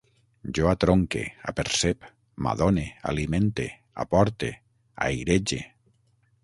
Jo atronque, apercep, m'adone, alimente, aporte, airege